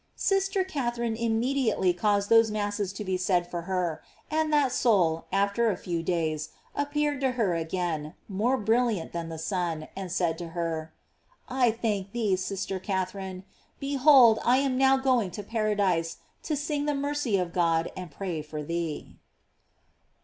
Sister Catherine immediately caused those masses to be said for her, and that soul, after a few days, appeared to her again, more brilliant than the sun, and said to her, "I thank thee, sister Catherine: behold I am now going to paradise to sing the mercy of God and pray for thee."